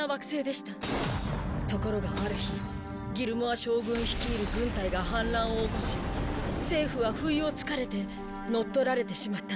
ところがある日ギルモア将軍率いる軍隊が反乱を起こし政府は不意を突かれて乗っ取られてしまったのです。